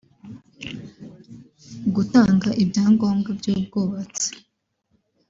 gutanga ibyangombwa by’ubwubatsi